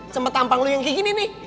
sempet tampang lu yang kayak gini nih